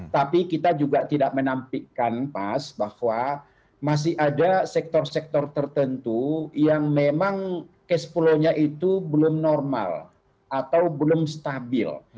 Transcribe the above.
tapi kita juga tidak menampikkan pas bahwa masih ada sektor sektor tertentu yang memang cash flow nya itu belum normal atau belum stabil